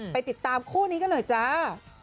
ไปติดตามคู่นี้กันหน่อยจ้า